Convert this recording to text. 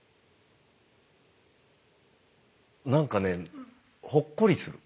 何かねほっこりする。